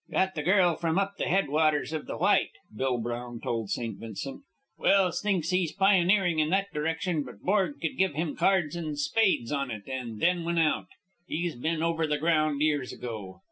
"Got the girl from up the head waters of the White," Bill Brown told St. Vincent. "Welse thinks he's pioneering in that direction, but Borg could give him cards and spades on it and then win out. He's been over the ground years ago.